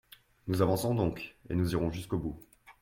Nous avançons donc, et nous irons jusqu’au bout.